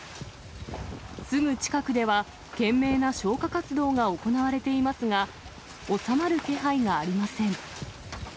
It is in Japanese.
すぐ近くでは懸命な消火活動が行われていますが、収まる気配がありません。